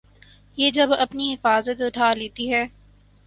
یہ جب اپنی حفاظت اٹھا لیتی ہے۔